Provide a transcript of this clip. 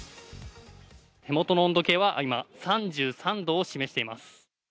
手元の温度計は今３３度を示しています。